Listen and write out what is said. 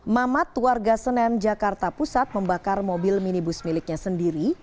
mamat warga senen jakarta pusat membakar mobil minibus miliknya sendiri